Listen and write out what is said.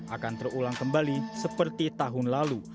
akan terulang kembali seperti tahun lalu